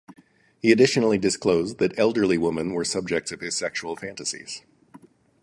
He additionally disclosed that elderly women were subjects of his sexual fantasies.